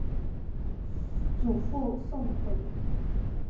祖父宋回。